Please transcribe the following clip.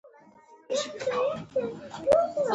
د تبادلې اسانتیا بازار پیاوړی کوي.